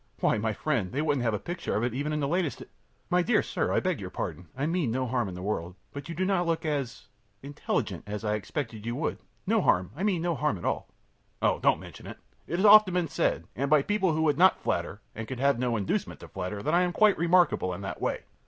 ö ōWhy, my friend, they wouldn't have a picture of it in even the latest e My dear sir, I beg your pardon, I mean no harm in the world, but you do not look as as intelligent as I had expected you would. No harm I mean no harm at all.ö ōOh, don't mention it! It has often been said, and by people who would not flatter and who could have no inducement to flatter, that I am quite remarkable in that way.